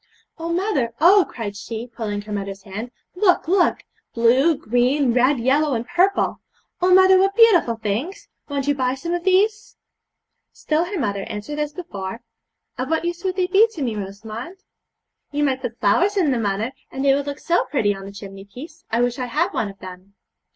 'Oh, mother, oh!' cried she, pulling her mother's hand, 'look, look! blue, green, red, yellow, and purple! Oh, mother, what beautiful things! Won't you buy some of these?' Still her mother answered as before: 'Of what use would they be to me, Rosamond?' 'You might put flowers in them, mother, and they would look so pretty on the chimney piece. I wish I had one of them.'